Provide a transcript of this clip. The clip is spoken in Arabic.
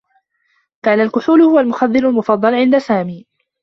كان الكحول هو المخدّر المفضّل عند سامي.